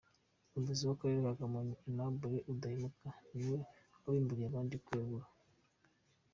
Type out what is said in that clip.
Umuyobozi w’Akarere ka Kamonyi, Aimable Udahemuka, ni we wabimburiye abandi kwegura.